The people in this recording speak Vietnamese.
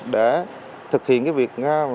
để thực hiện cái việc